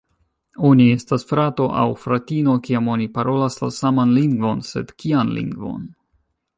Oni estas frato aŭ fratino, kiam oni parolas la saman lingvon, sed kian lingvon?